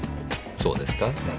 そうですか？